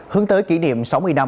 hướng tới kỷ niệm sống yên tâm